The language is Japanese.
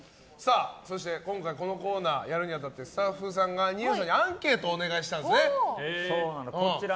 そして今回、このコーナーをやるにあたってスタッフさんが二葉さんにアンケートを実施したんですね。